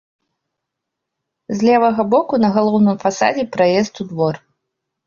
З левага боку на галоўным фасадзе праезд у двор.